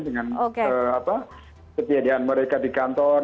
dengan ketiadaan mereka di kantor